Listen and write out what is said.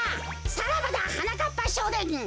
さらばだはなかっぱしょうねん！